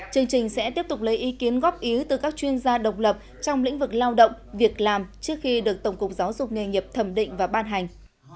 chương trình sẽ tiếp tục lấy ý kiến góp ý từ các chuyên gia độc lập trong lĩnh vực lao động việc làm trước khi được tổng cục giáo dục nghề nghiệp thẩm định và ban hành